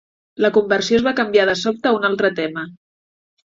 La conversió es va canviar de sobte a un altre tema.